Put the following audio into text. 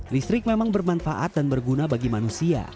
listrik memang bermanfaat dan berguna bagi manusia